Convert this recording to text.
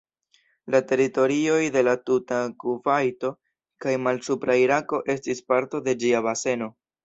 La teritorioj de la tuta Kuvajto kaj malsupra Irako estis parto de ĝia baseno.